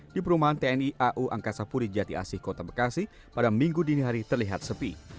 di perumahan tni au angkasa puri jati asih kota bekasi pada minggu dini hari terlihat sepi